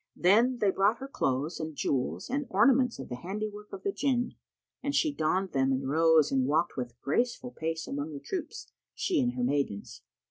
Then they brought her clothes and jewels and ornaments of the handiwork of the Jinn, and she donned them and rose and walked with graceful pace among the troops, she and her maidens.